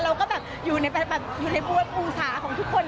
เราก็แบบอยู่ในอุตสาห์ของทุกคน